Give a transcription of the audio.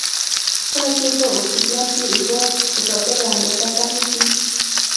کله چې په اوبسیدیان کې اوبه په ټاکلې اندازه کمې شي